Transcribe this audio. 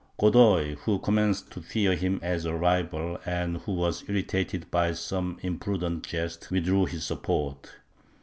Godoy, who com menced to fear him as a rival, and who was irritated by some imprudent jests, withdrew his support.